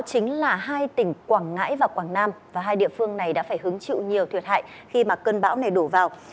tỉnh quảng ngãi và quảng nam hai địa phương này đã phải hứng chịu nhiều thiệt hại khi cơn bão này đổ vào